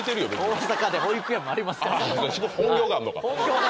大阪で保育園ありますから「本業」！